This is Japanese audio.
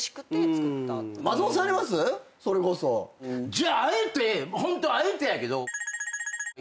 じゃああえてホントあえてやけどやってみたい。